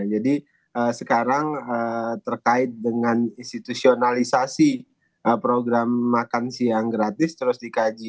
jadi sekarang terkait dengan institusionalisasi program makan siang gratis terus dikaji